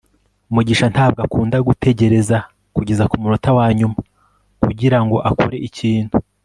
mugisha ntabwo akunda gutegereza kugeza kumunota wanyuma kugirango akore ikintu